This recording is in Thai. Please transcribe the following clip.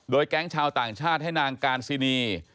แก๊งชาวต่างชาติให้นางการซินี